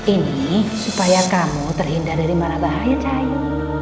ini supaya kamu terhindar dari marah bahaya cahayu